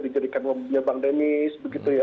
dijadikan wabahnya bank denis